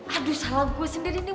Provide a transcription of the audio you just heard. aduh salah gue sendiri nih